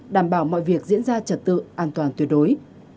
đảm bảo mọi việc diễn ra trật tự an toàn tuyệt đối